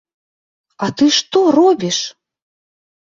А ты што робіш!